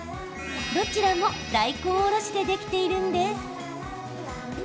どちらも大根おろしでできているんです。